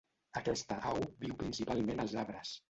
Aquesta au viu principalment als arbres.